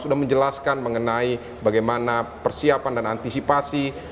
sudah menjelaskan mengenai bagaimana persiapan dan antisipasi